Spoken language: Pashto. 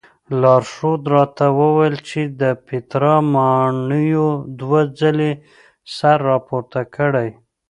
لارښود راته وویل چې د پیترا ماڼیو دوه ځلې سر راپورته کړی.